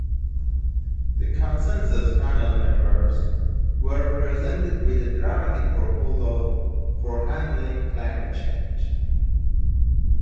The Consensus panel members were presented with a dramatic proposal for handling climate change.